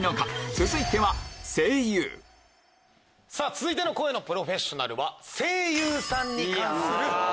続いては続いての声のプロフェッショナルは。